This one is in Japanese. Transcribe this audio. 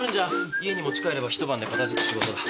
家に持ち帰れば一晩で片づく仕事だ。